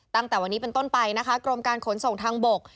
ตั้งแต่วันนี้เป็นต้นไปนะคะกรมการขนส่งทางบก